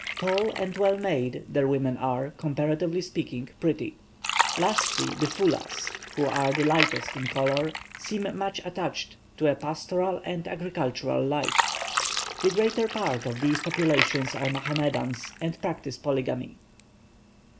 Tall and well made, their women are, comparatively speaking, pretty. Lastly, the Foulahs, who are the lightest in colour, seem much attached to a pastoral and agricultural life. The greater part of these populations are Mohammedans, and practise polygamy.